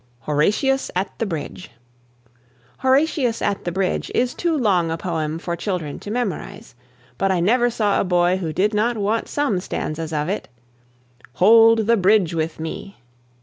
HORATIUS AT THE BRIDGE. "Horatius at the Bridge" is too long a poem for children to memorise. But I never saw a boy who did not want some stanzas of it. "Hold the bridge with me!"